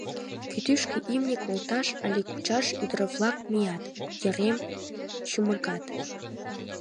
Кӱтӱшкӧ имне колташ але кучаш ӱдыр-влак мият, йырем чумыргат...